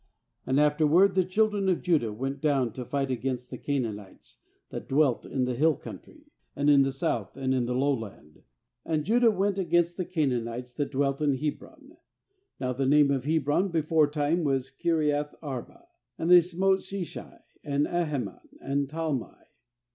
9And after ward the children of Judah went down to fight against the Canaanites that dwelt in the hill country, and in the South, and in the Lowland. 10And Judah went against the Canaan ites that dwelt in Hebron — now the name of Hebron beforetime was Kiriath arba — and they smote She shai, and Ahiman, and Talmai.